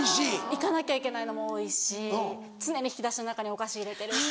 行かなきゃいけないのも多いし常に引き出しの中にお菓子入れてるし。